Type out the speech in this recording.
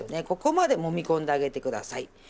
ここまでもみ込んであげてください。